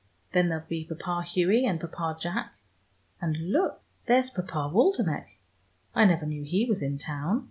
Then there'll be Papa Hughie, and Papa Jack, and look, there's Papa Waldenech. I never knew he was in town.